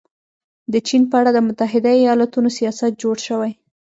د چین په اړه د متحده ایالتونو سیاست جوړ شوی.